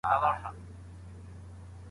له کوره د وتلو پر مهال یې هیڅ سوچ نه و کړی.